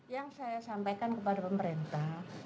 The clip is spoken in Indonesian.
yang saya sampaikan kepada pemerintah